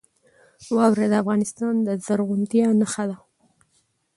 واوره د افغانستان د زرغونتیا نښه ده.